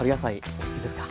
お好きですか？